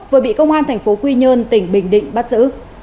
vừa bị công an tp quy nhơn tỉnh bình định bắt giữ